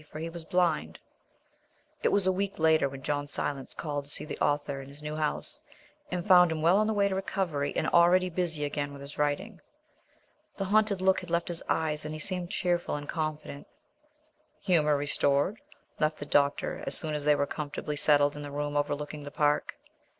For he was blind. III It was a week later when John Silence called to see the author in his new house, and found him well on the way to recovery and already busy again with his writing. The haunted look had left his eyes, and he seemed cheerful and confident. "Humour restored?" laughed the doctor, as soon as they were comfortably settled in the room overlooking the Park.